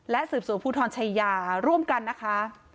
สืบสวนภูทรชายาร่วมกันนะคะ